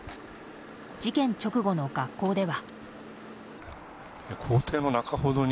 事件直後の学校では。